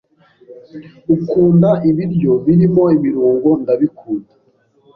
"Ukunda ibiryo birimo ibirungo Ndabikunda."